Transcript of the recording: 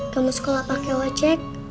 kamu sekolah pake ojek